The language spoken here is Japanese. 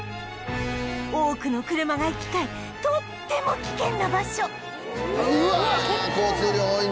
多くの車が行き交うとっても危険な場所